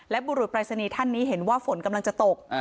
บุรุษปรายศนีย์ท่านนี้เห็นว่าฝนกำลังจะตก